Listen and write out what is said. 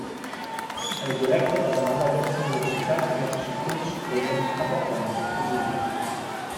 Eine direkte Auseinandersetzung mit den zeitgenössischen Kunstströmungen hat er aber nicht gesucht.